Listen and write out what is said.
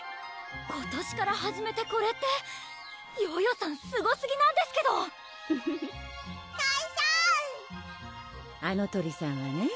今年から始めてこれってヨヨさんすごすぎなんですけどとぃしゃんあの鳥さんはね